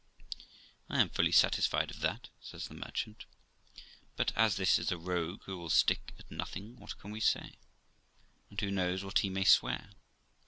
1 'I am fully satisfied of that', says the merchant; 'but, as this is a rogue who will stick at nothing, what can we say? And who knows what he may swear?